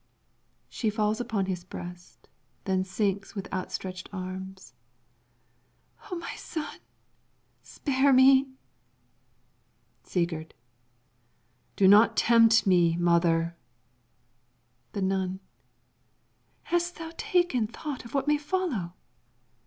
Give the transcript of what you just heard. [She falls upon his breast, then sinks, with outstretched arms.] O my son, spare me! Sigurd Do not tempt me, mother! The Nun Hast thou taken thought of what may follow?